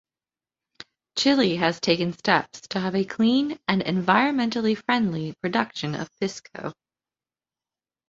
Chile has taken steps to have a clean and environmentally friendly production of pisco.